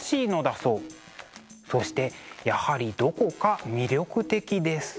そしてやはりどこか魅力的です。